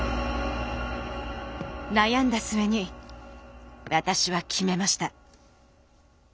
悩んだ末に私は決めました。